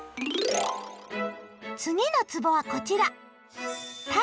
次のつぼはこちら。